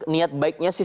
niat baiknya sih